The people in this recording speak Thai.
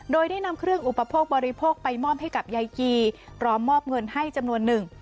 โดยได้นำเครื่องอุปโภคบริโภคไปมอบให้กับยายกีพร้อมมอบเงินให้จำนวนหนึ่ง